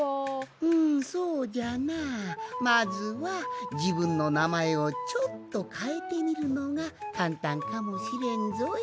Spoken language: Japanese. うんそうじゃなまずはじぶんのなまえをちょっとかえてみるのがかんたんかもしれんぞい。